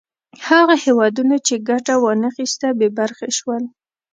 هغو هېوادونو چې ګټه وا نه خیسته بې برخې شول.